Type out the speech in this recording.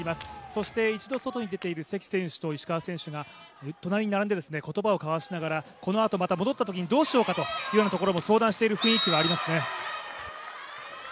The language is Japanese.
そして一度外に出ている関選手と石川選手が隣に並んで、言葉を交わしながら、このあと戻ったときにどうしようかというようなところも相談している雰囲気はありますね。